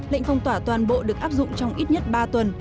lệnh phong tỏa toàn bộ được áp dụng trong ít nhất ba tuần